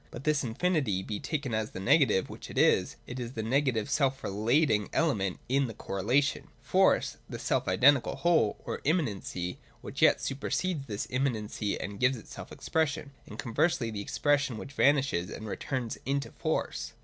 But if this infinity be taken as the negative which it is, it is the negative self relating element in the correlation, — Force, the self identical whole, or im manency ; which yet supersedes this immanency and gives itself expression ;— and conversely the expression which vanishes and returns into Force.